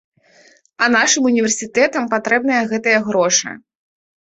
А нашым універсітэтам патрэбныя гэтыя грошы.